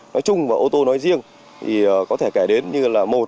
nói chung và ô tô nói riêng thì có thể kể đến như là một